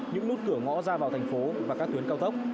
những nút cửa ngõ ra vào thành phố và các tuyến cao tốc